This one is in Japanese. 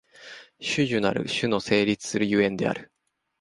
種々なる種の成立する所以である。